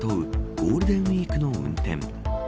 ゴールデンウイークの運転。